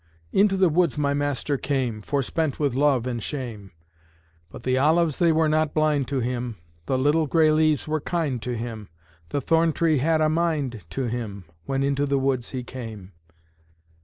Into the woods my Master came, Forspent with love and shame. But the olives they were not blind to Him, The little gray leaves were kind to Him: The thorn tree had a mind to Him When into the woods He came.